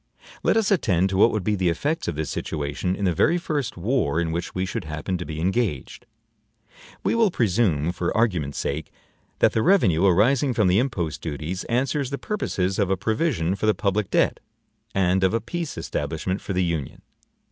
Let us attend to what would be the effects of this situation in the very first war in which we should happen to be engaged. We will presume, for argument's sake, that the revenue arising from the impost duties answers the purposes of a provision for the public debt and of a peace establishment for the Union.